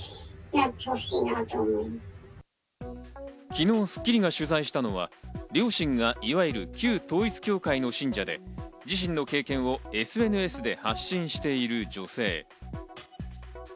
昨日『スッキリ』が取材したのは、両親がいわゆる旧統一教会の信者で、自身の経験をＳＮＳで発信している女性。